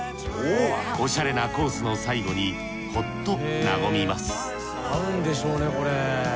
おしゃれなコースの最後にほっと和みます合うんでしょうねこれ。